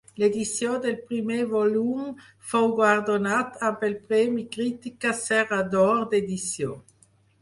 L'edició del primer volum fou guardonat amb el premi Crítica Serra d'Or d'edició.